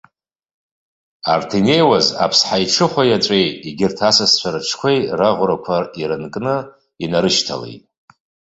Арҭ инеиуаз аԥсҳа иҽыхәа иаҵәеи егьырҭ асасцәа рыҽқәеи раӷәрақәа ирынкны инарышьҭалеит.